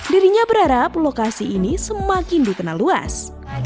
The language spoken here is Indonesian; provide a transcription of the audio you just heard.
dirinya berharap lokasi ini semakin dikenal luas